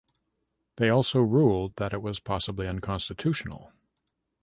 They also ruled that it was possibly unconstitutional.